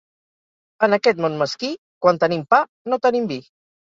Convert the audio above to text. En aquest món mesquí, quan tenim pa, no tenim vi.